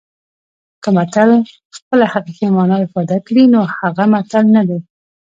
که متل خپله حقیقي مانا افاده کړي نو هغه متل نه دی